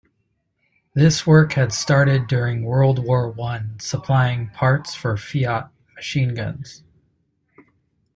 This work had started during World War I supplying parts for Fiat machineguns.